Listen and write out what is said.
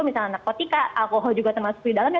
misalnya narkotika alkohol juga termasuk di dalamnya